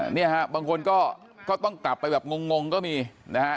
เนี่ยฮะบางคนก็ต้องกลับไปแบบงงก็มีนะฮะ